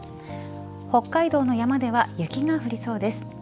北海道の山では雪が降りそうです。